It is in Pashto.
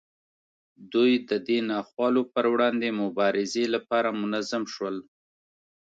دوی د دې ناخوالو پر وړاندې مبارزې لپاره منظم شول.